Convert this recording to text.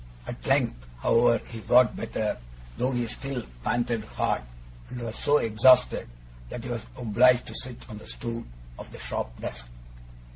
At length, however, he got better, though he still panted hard, and was so exhausted that he was obliged to sit on the stool of the shop desk.